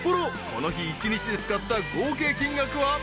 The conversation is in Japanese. この日一日で使った合計金額は果たして］